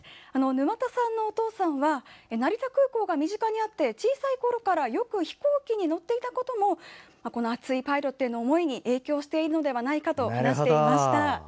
沼田さんのお父さんは成田空港が身近にあって小さいころからよく飛行機に乗っていたことも熱いパイロットへの思いに影響しているのではないかと話していました。